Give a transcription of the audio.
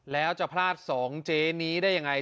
แล้วจะพลาดสองเจ๊นี้ได้ยังไง